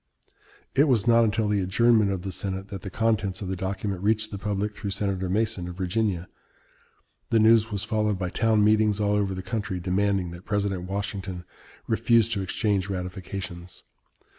It was not until the adjournment of the Senate that the contents of the document reached the public through Senator Mason of Virginia. The news was followed by town meetings all over the country demanding that President Washington refuse to exchange ratifications.